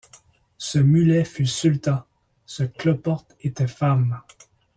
Ce mulet fut sultan, ce cloporte était femme.